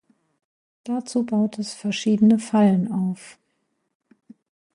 Dazu baut es verschiedene Fallen auf.